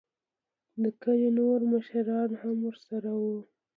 دکلي نوور مشران هم ورسره وو.